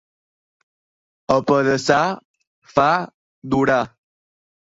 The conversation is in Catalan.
Apedaçar far durar.